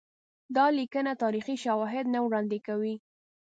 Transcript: دا لیکنه تاریخي شواهد نه وړاندي کوي.